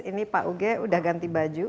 ini pak uge udah ganti baju